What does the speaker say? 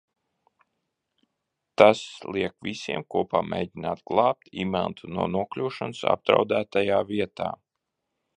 Tas liek visiem kopā mēģināt glābt Imantu no nokļūšanas apdraudētajā vietā.